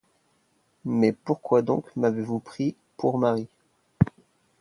Mais pourquoi donc m’avez-vous pris pour mari ?